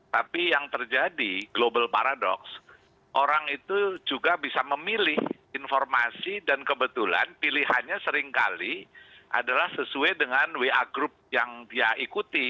tapi yang terjadi global paradoks orang itu juga bisa memilih informasi dan kebetulan pilihannya seringkali adalah sesuai dengan wa group yang dia ikuti